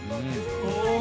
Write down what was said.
お。